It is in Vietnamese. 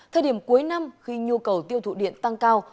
thời điểm cuối năm khi nhu cầu tiêu thụ điện tăng cao